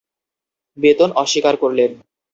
বেতন অস্বীকার করলেন।